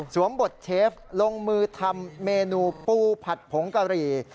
บทเชฟลงมือทำเมนูปูผัดผงกะหรี่